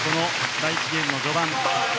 第１ゲームの序盤。